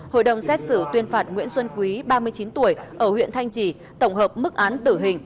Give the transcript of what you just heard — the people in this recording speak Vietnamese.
hội đồng xét xử tuyên phạt nguyễn xuân quý ba mươi chín tuổi ở huyện thanh trì tổng hợp mức án tử hình